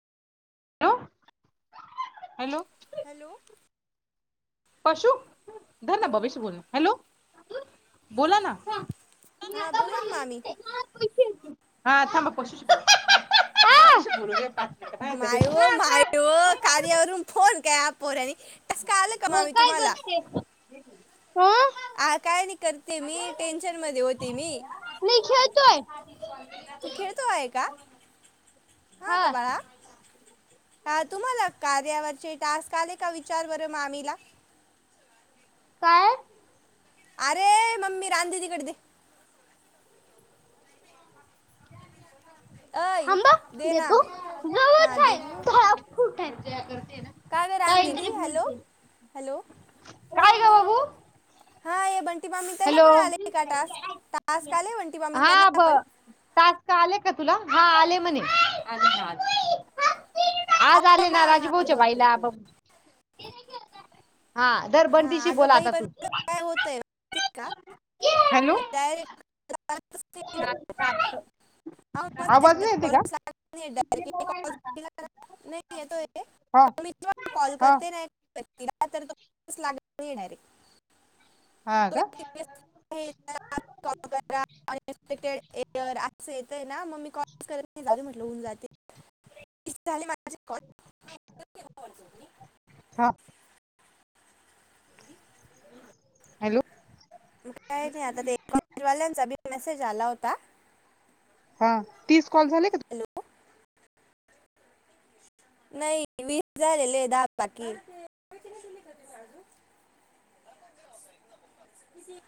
Hello hello hello. पशु धर ना हॅलो बविष बोल हॅलो बोला ना. हा बोलान मामी. हा थांबा प मायव माय कार्यावरून फोन काय आपोर्यानी तस का आलं कमा म तुम्हाला ह आ काय नाही करते मी टेन्शन मध्ये होते मी मी खेळतोय. तू खेळतो आहे का हा का बाळा हा तुम्हाला कार्यावरचे टास्क आले का विचार बरं मा मामीला काय. अरे मम्मी राांधे तिकड ते अय हांबा दे ना देतो हा दे जव. काय घान दीदी हॅलो हॅलो यार का बाघू हा ये बंटी मामींनी त्यांना पण आले का टास्क टास्क आले बंटी मामी हा त्यांना ब पण. टास्क का आले का तुला हा आले म्हणे आ. आज आहे आले ना हा राजीभाऊच्या बरं बाईला बघ बरं हा दर हा बंटीशी अगं बोला बाई आता पण तू. माझं काय होतंय माहिती का हॅलो. डायरेक्ट [inaudible] आवाज नाही येते का [inaudible] नाही येतोय हा पण मी जेव्हा कॉल हा करते ना. पण तीला तर तो [inaudible] लागत नाही येणारे. हा तु. [inaudible] का [inaudible] कॉल करा अनएक्सपेक्टेड एरर असं येतंय ना मग मी कॉल. [inaudible] करत नाही जाऊदे म्हटलं होऊन जातील तीस झाले माझे कॉल. हा हॅलो, काय नाही आता ते कॉवाल्यांचा बी मेसेज आला होता. हा तीस कॉल झाले का, हॅलो, नाही वीस झालेले आहे दहा बाकी ए